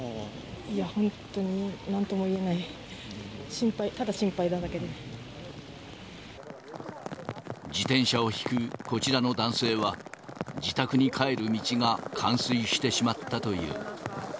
いや、本当になんともいえない、自転車を引くこちらの男性は、自宅に帰る道が冠水してしまったという。